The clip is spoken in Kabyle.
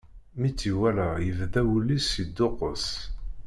Mi tt-iwala yebda wul-is yedduqqus.